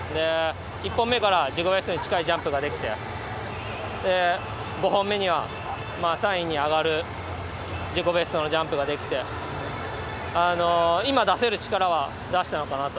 １本目から自己ベストに近いジャンプができて５本目には３位に上がる自己ベストのジャンプができて今、出せる力を出したのかなと。